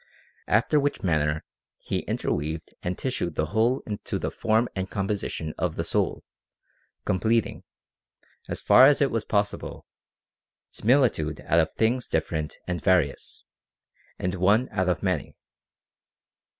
After which manner he interweaved and tissued the whole into the form and composition of the soul, completing, as far as it was possible, similitude out of things different and vari ous, and one out of many.